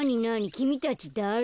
きみたちだれ？